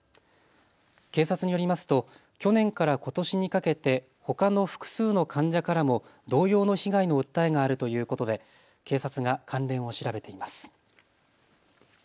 警察によりますと去年からことしにかけてほかの複数の患者からも同様の被害の訴えがあるということで警察が関連を調べています。